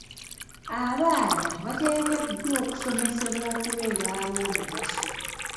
Abaana bateekeddwa okusomesebwa okubeera ab'omugaso.